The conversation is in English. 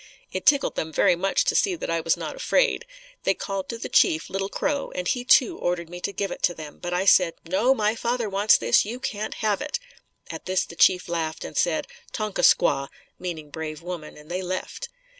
It tickled them very much to see that I was not afraid. They called to the chief, Little Crow, and he too ordered me to give it to them, but I said, "No, my father wants this, you can't have it." At this the chief laughed and said, "Tonka Squaw" meaning brave woman and they left.